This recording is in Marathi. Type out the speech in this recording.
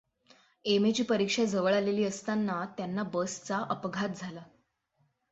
एम. ए. ची परीक्षा जवळ आलेली असताना त्यांना बसचा अपघात झाला.